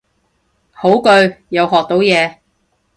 好句，又學到嘢